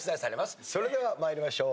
それでは参りましょう。